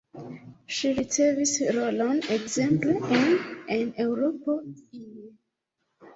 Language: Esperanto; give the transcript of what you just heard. Ŝi ricevis rolon ekzemple en En Eŭropo ie.